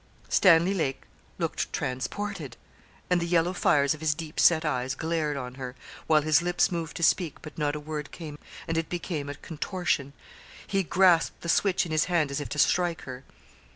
Stanley Lake looked transported, and the yellow fires of his deep set eyes glared on her, while his lips moved to speak, but not a word came, and it became a contortion; he grasped the switch in his hand as if to strike her.